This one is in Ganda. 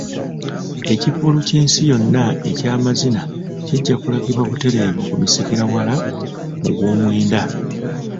Ekivvulu ky'ensi yonna eky'amazina kijja kulagibwa butereevu ku misikira wala mu gw'omwenda.